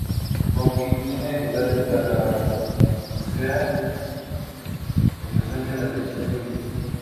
Ko Phi tiene lugares para bucear, en función de la dirección del viento.